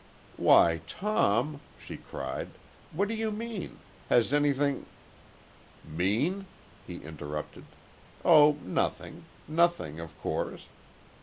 "Why, Tom!" she cried. "What do you mean? Has anything " "Mean?" he interrupted. "Oh, nothing. Nothing, of course.